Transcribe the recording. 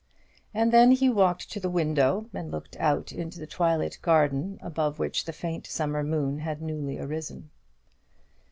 And then he walked to the window and looked out into the twilit garden, above which the faint summer moon had newly arisen.